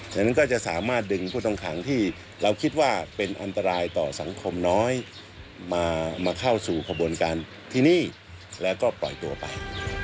ฉะนั้นก็จะสามารถดึงผู้ต้องขังที่เราคิดว่าเป็นอันตรายต่อสังคมน้อยมาเข้าสู่ขบวนการที่นี่แล้วก็ปล่อยตัวไป